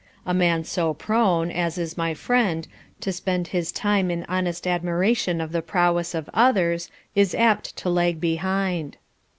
A man so prone, as is my friend, to spend his time in modest admiration of the prowess of others is apt to lag behind.